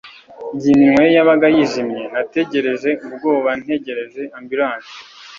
igihe iminwa ye yabaga yijimye, nategereje ubwoba ntegereje ambulance